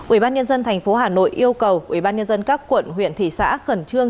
ủy ban nhân dân thành phố hà nội yêu cầu ủy ban nhân dân các quận huyện thị xã khẩn trương